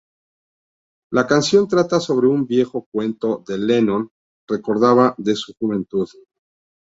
La canción trata sobre un viejo cuento que Lennon recordaba de su juventud.